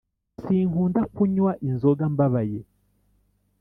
Sinkunda kunywa inzoga mbabaye